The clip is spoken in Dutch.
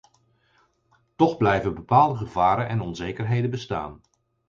Toch blijven bepaalde gevaren en onzekerheden bestaan.